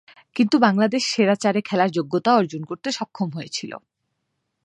কিন্তু বাংলাদেশ সেরা চারে খেলার যোগ্যতা অর্জন করতে সক্ষম হয়েছিল।